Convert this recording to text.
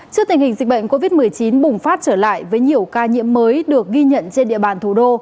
trước tình hình dịch bệnh covid một mươi chín bùng phát trở lại với nhiều ca nhiễm mới được ghi nhận trên địa bàn thủ đô